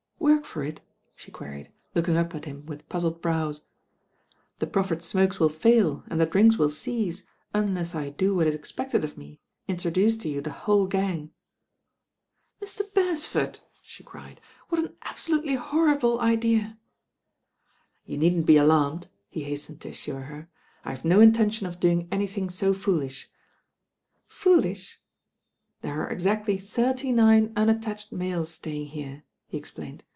"Work for it?" she queried, looking up at him with puzzled brows. "The proffered smokes will fail and the drinks wiU cease Uiilcss I do what is expected of me, intro duce to you the whole gang." "Mr. BeresfordI" she cried. "What an absolutely horrible idea." "You needn't be alarmed," he hastened to assure her. 'I have no intention of doing anything so foolish," "Foolish I" "There arc exactly thirty nine unattached males staying here," he explained.